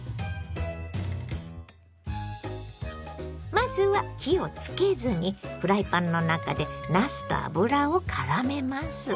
まずは火をつけずにフライパンの中でなすと油をからめます。